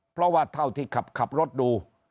เพราะว่าเท่าที่ขับรถดู